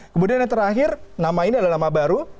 kemudian yang terakhir nama ini adalah nama baru